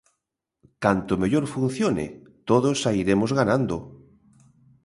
Canto mellor funcione, todos sairemos ganando.